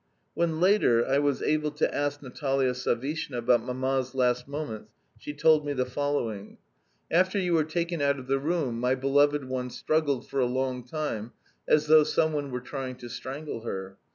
When, later, I was able to ask Natalia Savishna about Mamma's last moments she told me the following: "After you were taken out of the room, my beloved one struggled for a long time, as though some one were trying to strangle her.